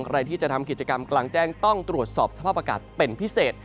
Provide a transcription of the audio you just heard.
ใครที่จะทำกิจกรรมกลางแจ้งต้องตรวจสอบสภาพอากาศเป็นพิเศษ